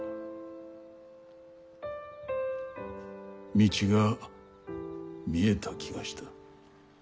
道が見えた気がした。